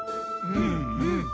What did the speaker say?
うんうん。